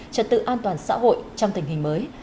trật tự an toàn xã hội trong tình hình mới